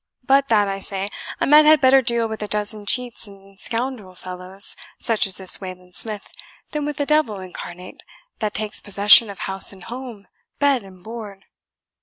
but that, I say, a man had better deal with a dozen cheats and scoundrel fellows, such as this Wayland Smith, than with a devil incarnate, that takes possession of house and home, bed and board."